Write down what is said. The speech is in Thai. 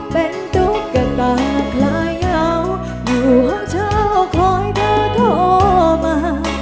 เป็นตุ๊กกันตากลายเยาว์อยู่ของเจ้าคอยเธอโทรมา